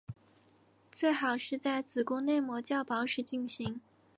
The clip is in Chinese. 最好是在子宫内膜较薄时进行。